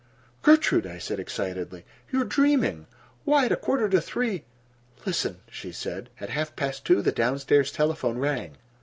"Gertrude," I said excitedly, "you are dreaming! Why, at a quarter to three—" "Listen," she said. "At half past two the downstairs telephone rang.